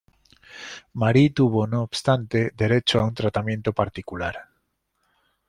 Marie tuvo, no obstante, derecho a un tratamiento particular.